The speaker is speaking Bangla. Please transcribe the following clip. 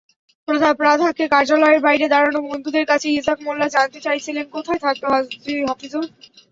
প্রাধ্যক্ষের কার্যালয়ের বাইরে দাঁড়ানো বন্ধুদের কাছে ইসহাক মোল্লা জানতে চাইছিলেন, কোথায় থাকত হাফিজুর।